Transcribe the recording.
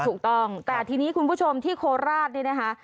ถูกต้องแต่ทีนี้คุณผู้ชมที่โคราชนี่นะคะ